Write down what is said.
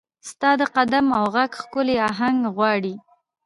ستا د قدم او ږغ، ښکلې اهنګ غواړي